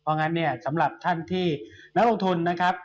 เพราะงั้นเนี่ยสำหรับท่านที่นักลงทุนนะครับ